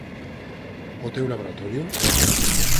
Ao teu laboratorio?